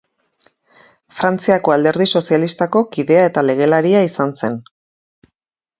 Frantziako Alderdi Sozialistako kidea eta legelaria izan zen.